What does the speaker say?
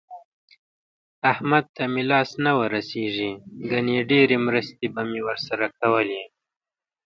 احمد ته مې لاس نه ورسېږي ګني ډېرې مرستې مې ورسره کولې.